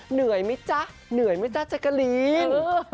เหนื่อยไหมจ๊ะเหนื่อยไหมจ๊ะแจ๊กกะลีน